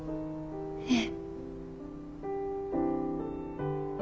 ええ。